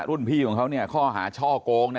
รุ่นพี่ของเขาเนี่ยข้อหาช่อโกงนะครับ